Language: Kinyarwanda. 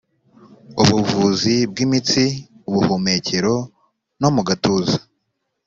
ubuvuzi bw imitsi ubuhumekero no mu gatuza